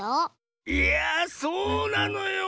いやあそうなのよ。